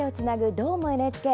「どーも、ＮＨＫ」。